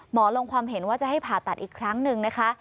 ลงความเห็นว่าจะให้ผ่าตัดอีกครั้งหนึ่งนะคะ